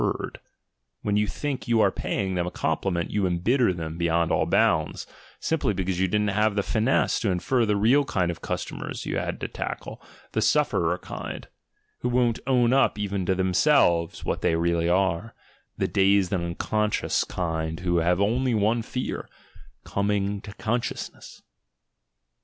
rd; when you think you are paying them a compli ment you embitter them beyond all bounds, simply be cause you didn't ha\e the finesse to infer the real kind of customers you had to tackle, the sufferer kind (who n't own up even to themselves what they really are), the dazed and unconscious kind who have only one fear — coming to consciousness.